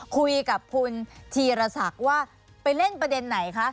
คุยกับคุณธีรศักดิ์ว่าไปเล่นประเด็นไหนคะ